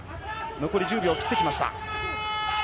残り１０秒切ってきました。